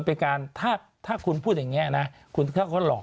มันเป็นการถ้าถ้าคุณพูดอย่างเงี้ยนะคุณเขาก็หลอก